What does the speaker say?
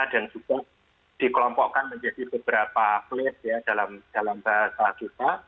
dan juga dikelompokkan menjadi beberapa klip dalam bahasa kita